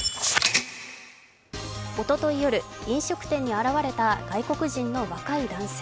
おととい夜、飲食店に現れた外国人の若い男性。